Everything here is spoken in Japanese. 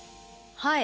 はい。